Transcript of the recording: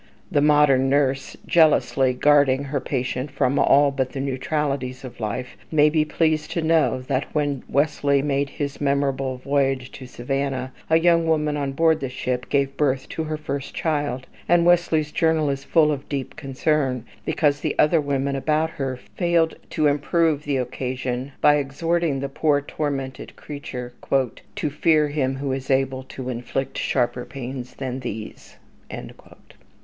The modern nurse, jealously guarding her patient from all but the neutralities of life, may be pleased to know that when Wesley made his memorable voyage to Savannah, a young woman on board the ship gave birth to her first child; and Wesley's journal is full of deep concern, because the other women about her failed to improve the occasion by exhorting the poor tormented creature "to fear Him who is able to inflict sharper pains than these."